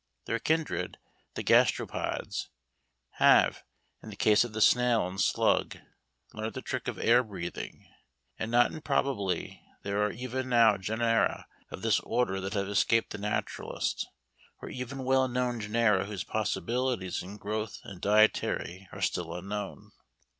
Their kindred, the Gastropods, have, in the case of the snail and slug, learnt the trick of air breathing. And not improbably there are even now genera of this order that have escaped the naturalist, or even well known genera whose possibilities in growth and dietary are still unknown.